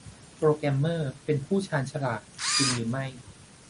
โปรแกรมเมอร์ เป็นผู้ชาญฉลาด จริงหรือไม่